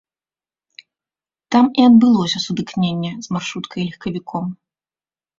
Там і адбылося сутыкненне з маршруткай і легкавіком.